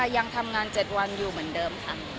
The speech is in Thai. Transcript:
ใช่ค่ะยังทำงาน๗วันอยู่เหมือนเดิม